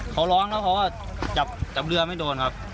เขาร้องแล้วเขาก็จับเรือไม่โดนครับ